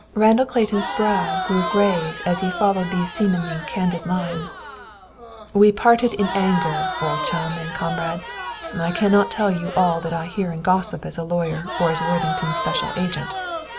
Randall Clayton's brow grew grave as he followed these seemingly candid lines: "We parted in anger, old chum and comrade. I cannot tell you all that I hear in gossip as a lawyer or as Worthington's special agent.